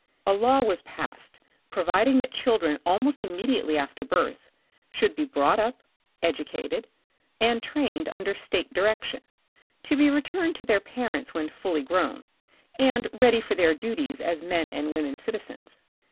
A law was passed providing that children almost immediately after birth, should be brought up, educated and trained under state direction tot)e returned to their parents when fully grown, and ready for their duties as men and women citizens.